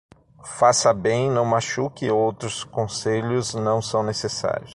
Faça bem, não machuque e outros conselhos não são necessários.